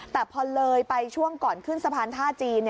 แต่พอเลยไปช่วงก่อนขึ้นสะพานท่าจีน